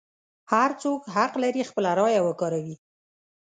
هر څوک حق لري خپله رایه وکاروي.